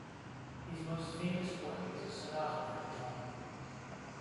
His most famous work is a sonata for guitar.